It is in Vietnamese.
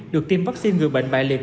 được tiêm vaccine ngừa bệnh bại liệt